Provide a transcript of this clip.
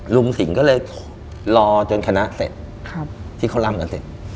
ลุงสิงห์ก็เลยรอจนคณะเสร็จที่เขาร่ำกันเสร็จ